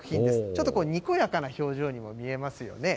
ちょっとこう、にこやかな表情にも見えますよね。